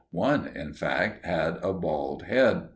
One, in fact, had a bald head.